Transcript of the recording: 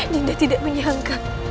dinda tidak menyangka